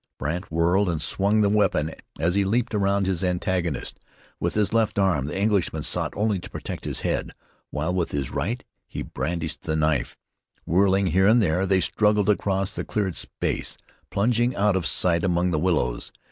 Brandt whirled and swung the weapon as he leaped around his antagonist. With his left arm the Englishman sought only to protect his head, while with his right he brandished the knife. Whirling here and there they struggled across the cleared space, plunging out of sight among the willows.